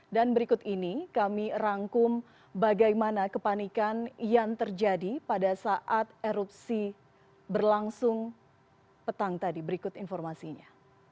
dan berikut ini kami rangkum bagaimana kepanikan yang terjadi pada saat erupsi berlangsung petang tadi berikut informasinya